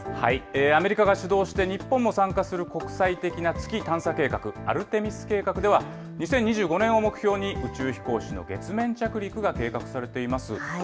アメリカが主導して日本も参加する国際的な月探査計画、アルテミス計画では、２０２５年を目標に、宇宙飛行士の月面着陸が計画されています。